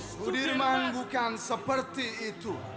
sudirman bukan seperti itu